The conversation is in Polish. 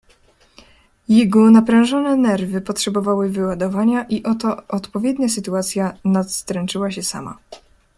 "Jego naprężone nerwy potrzebowały wyładowania i oto odpowiednia sytuacja nastręczyła się sama."